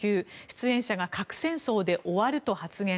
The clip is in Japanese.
出演者が核戦争で終わると発言。